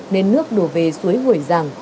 nên nước đổ về suối hủy giảng